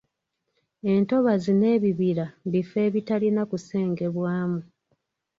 Entobazi n'ebibira bifo ebitalina kusengebwamu.